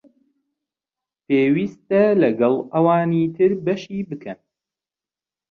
پێوستە لەگەڵ ئەوانی تر بەشی بکەن